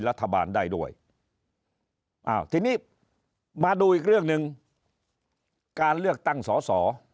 รัฐบาลได้ด้วยอ้าวทีนี้มาดูอีกเรื่องหนึ่งการเลือกตั้งสอสอ